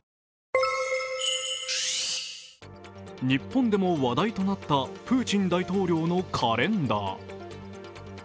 日本でも話題となったプーチン大統領のカレンダー。